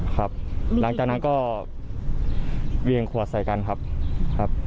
ครับหลังจากนั้นก็เวียงขวดใส่กันครับครับ